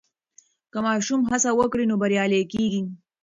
که ماشوم هڅه وکړي نو بریالی کېږي.